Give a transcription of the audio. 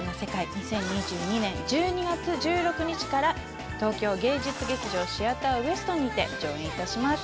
２０２２年１２月１６日から東京芸術劇場シアターウエストにて上演いたします